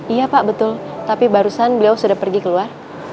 iya pak betul tapi barusan beliau sudah pergi keluar